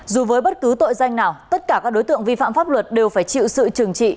dù với bất cứ tội danh nào tất cả các đối tượng vi phạm pháp luật đều phải chịu sự trừng trị